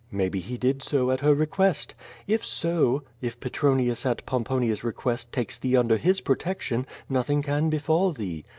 Maybe he did so at her request. If so, if Petronius at Pomponia's request takes thee under his pro tection, nothing can befall thee.